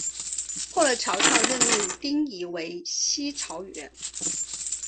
后来曹操任命丁仪为西曹掾。